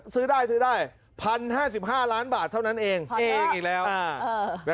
ซื้อได้ซื้อได้พันห้าสิบห้าล้านบาทเท่านั้นเองเองอีกแล้วอ่า